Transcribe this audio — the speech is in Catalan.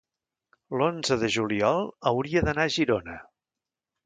l'onze de juliol hauria d'anar a Girona.